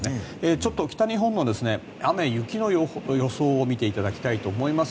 ちょっと北日本の雨雪の予想を見ていただきたいと思います。